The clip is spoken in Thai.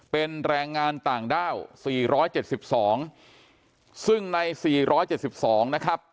เป็นแรงงานต่างด้าว๔๗๒ซึ่งใน๔๗๒นะครับ